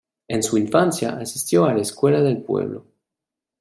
En su infancia asistió a la escuela del pueblo.